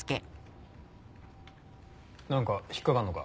なんか引っ掛かるのか？